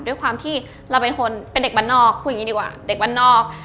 ด้วยความที่เราเป็นคนเฉพาะเด็กบรรนอร์ค